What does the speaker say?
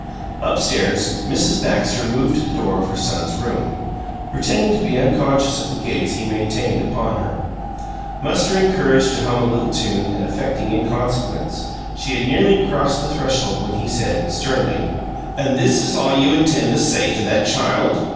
Up stairs, Mrs. Baxter moved to the door of her son's room, pretending to be unconscious of the gaze he maintained upon her. Mustering courage to hum a little tune and affecting inconsequence, she had nearly crossed the threshold when he said, sternly: "And this is all you intend to say to that child?"